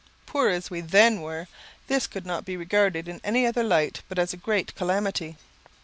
Poor as we then were, this could not be regarded in any other light but as a great calamity.